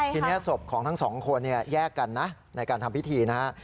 ทีนี้ศพของทั้งสองคนแยกกันนะในการทำพิธีนะฮะ